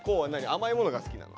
甘いものが好きなの？